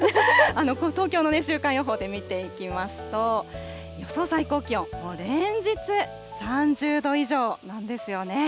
東京のね、週間予報で見ていきますと、予想最高気温、連日３０度以上なんですよね。